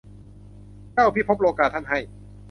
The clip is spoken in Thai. เจ้าพิภพโลกา ท่านให้